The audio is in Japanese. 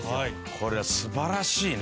これは素晴らしいな。